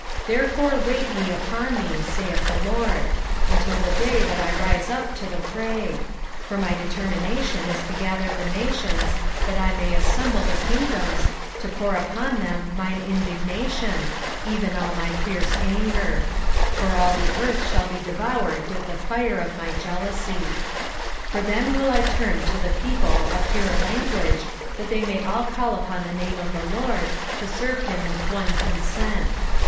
3:8 Therefore wait ye upon me, saith the LORD, until the day that I rise up to the prey: for my determination is to gather the nations, that I may assemble the kingdoms, to pour upon them mine indignation, even all my fierce anger: for all the earth shall be devoured with the fire of my jealousy. 3:9 For then will I turn to the people a pure language, that they may all call upon the name of the LORD, to serve him with one consent.